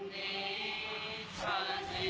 แต่ความทรงจำดี